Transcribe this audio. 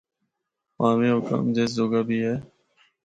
پاویں او کم جس جوگا بھی اے۔